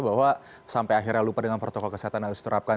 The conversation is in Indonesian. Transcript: bahwa sampai akhirnya lupa dengan protokol kesehatan yang harus diterapkan